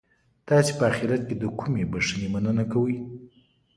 تاسي په اخیرت کي د کومې بښنې مننه کوئ؟